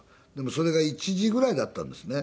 それが１時ぐらいだったんですね。